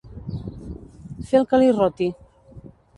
Fer el que li roti.